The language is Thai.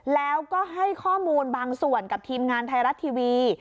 แล้วก็ให้ข้อมูลบางส่วนกับทีมงานไทยรัฐทีวี